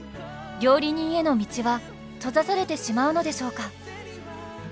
料理人への道は閉ざされてしまうのでしょうか？